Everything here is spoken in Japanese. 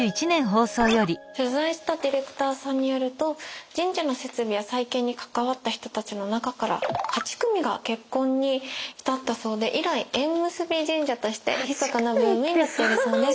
取材したディレクターさんによると神社の設備や再建に関わった人たちの中から８組が結婚に至ったそうで以来縁結び神社としてひそかなブームになっているそうです。